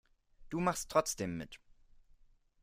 Du machst trotzdem mit.